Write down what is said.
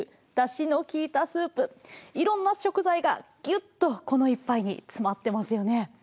いろんな食材がギュッとこの一ぱいにつまってますよね。